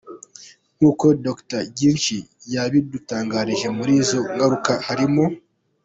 Nk’uko Dr Githinji, yabidutangarije muri izo ngaruka harimo :.